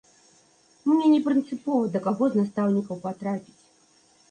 Мне не прынцыпова, да каго з настаўнікаў патрапіць.